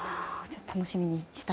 楽しみにしたいと。